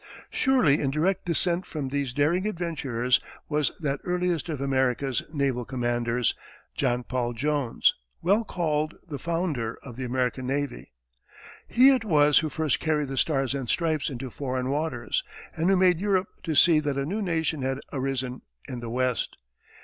Surely in direct descent from these daring adventurers was that earliest of America's naval commanders, John Paul Jones, well called the "Founder of the American Navy." He it was who first carried the Stars and Stripes into foreign waters, and who made Europe to see that a new nation had arisen, in the west.